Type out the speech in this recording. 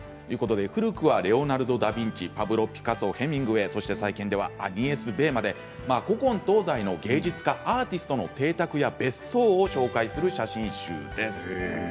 古くはレオナルド・ダ・ヴィンチパブロ・ピカソ、ヘミングウェイ最近ではアニエス・ベーまで古今東西、芸術家アーティストの邸宅や別荘を紹介する写真集です。